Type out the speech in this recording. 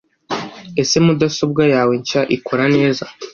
Ese mudasobwa yawe nshya ikora neza?